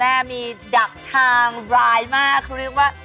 นี่มีข้าบพูดเลย